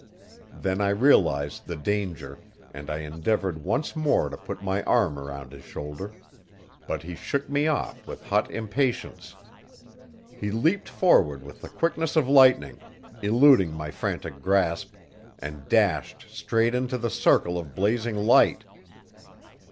Then I realized the danger, and I endeavored once more to put my arm round his shoulder; but he shook me off with hot impatience. He leaped forward with the quickness of lightning, eluding my frantic grasp, and dashed straight into the circle of blazing light!